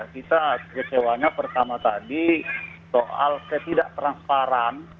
kita kecewanya pertama tadi soal ketidak transparan